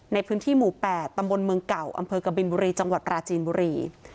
ในพื้นที่หมู่๘ตำบลเมืองเก่าอำเภอกบินบุรีจังหวัดปราจีนบุรี